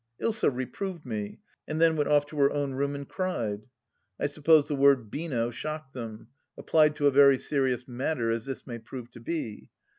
Ilsa reproved me, and then went off to her own room and cried. I suppose the word "beano" shocked them ... applied to a serious matter as this may prove to be.